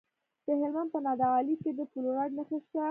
د هلمند په نادعلي کې د فلورایټ نښې شته.